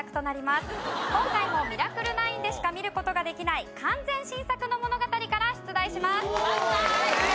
今回も『ミラクル９』でしか見る事ができない完全新作の物語から出題します。